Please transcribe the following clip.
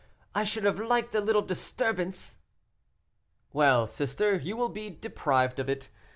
"I should have liked a little disturbance." "Well, sister, you will be deprived of it.